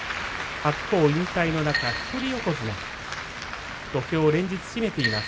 白鵬引退の中、一人横綱土俵で連日締めています